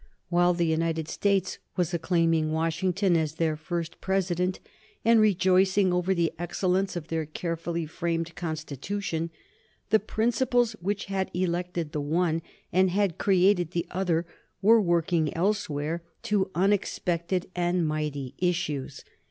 While the United States were acclaiming Washington as their first President and rejoicing over the excellence of their carefully framed Constitution, the principles which had elected the one and had created the other were working elsewhere to unexpected and mighty issues.